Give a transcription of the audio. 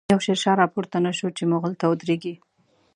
يو” شير شاه “راپورته نه شو، چی ” مغل” ته ودريږی